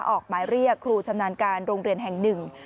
ออกหมายเรียกครูชำนาญการโรงเรียนแห่งหนึ่ง